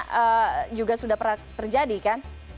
karena juga sudah pernah terjadi kan